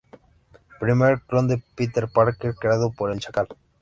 Primer clon de Peter Parker creado por el Chacal.